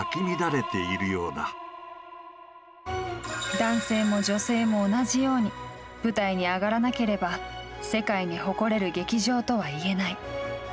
男性も女性も同じように舞台に上がらなければ世界に誇れる劇場とは言えない。